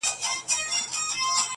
پېښه د کلي د تاريخ برخه ګرځي ورو ورو-